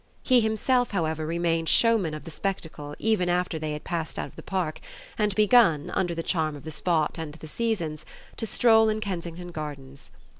He himself, however, remained showman of the spectacle even after they had passed out of the Park and begun, under the charm of the spot and the season, to stroll in Kensington Gardens.